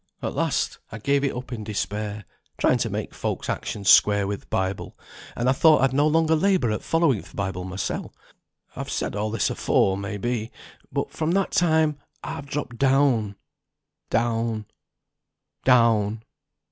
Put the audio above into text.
"At last I gave it up in despair, trying to make folks' actions square wi' th' Bible; and I thought I'd no longer labour at following th' Bible mysel. I've said all this afore, may be. But from that time I've dropped down, down, down."